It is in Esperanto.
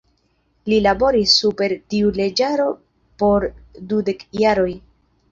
Li laboris super tiu leĝaro por dudek jaroj.